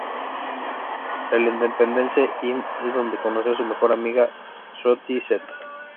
El Independence Inn es donde conoció a su mejor amiga, Sookie St.